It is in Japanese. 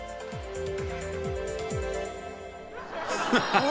「ハハハ！」